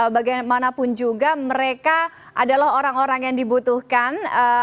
bagaimanapun juga mereka adalah orang orang yang dibutuhkan